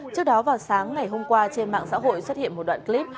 trước đó vào sáng ngày hôm qua trên mạng xã hội xuất hiện một đoạn clip